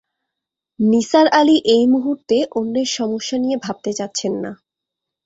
নিসার আলি এই মুহূর্তে অন্যের সমস্যা নিয়ে ভাবতে চাচ্ছেন না।